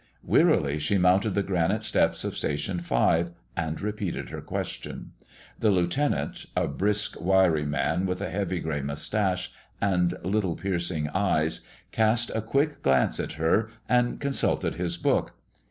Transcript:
Wearily she mounted the granite steps of Station Five and repeated her question. The lieutenant, a brisk, wiry man, with a heavy gray moustache and little, piercing eyes, cast a quick glance at her and consulted his book.